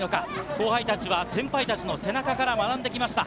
後輩たちは先輩たちの背中から学んできました。